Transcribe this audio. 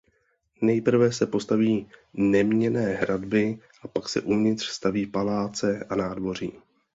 Nejprve se postaví neměnné hradby a pak se uvnitř staví paláce a nádvoří.